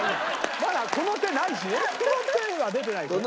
まだこの手ないしこの手は出てないしね。